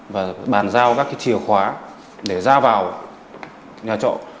và bàn giao các chìa khóa để ra vào nhà trọ